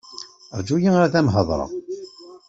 Ṛğu-yi ad am-hedṛeɣ.